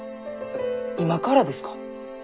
今からですか？